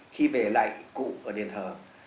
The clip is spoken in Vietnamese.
khi về lại cụ ở đền thờ